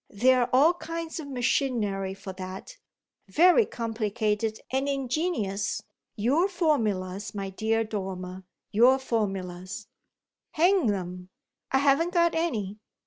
"There are all kinds of machinery for that very complicated and ingenious. Your formulas, my dear Dormer, your formulas!" "Hang 'em, I haven't got any!"